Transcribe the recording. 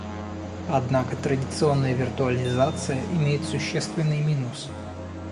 Однако традиционная виртуализация имеет существенный минус